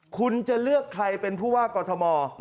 คุณจะเลือกใครเป็นผู้ว่ากอทม